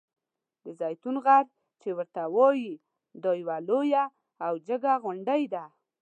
د زیتون غر چې ورته وایي دا یوه لویه او جګه غونډۍ ده.